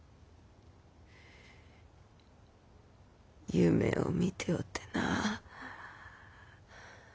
夢を見ておってな。